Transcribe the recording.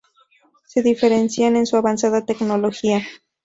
Se diferencia en su avanzada tecnología.